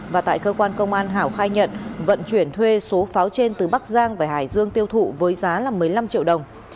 và tại cơ quan công an hảo khai nhận vận chuyển thuê số pháo trên từ bắc giang về hải dương tiêu thụ với giá một mươi năm triệu đồng